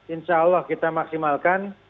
insya allah kita maksimalkan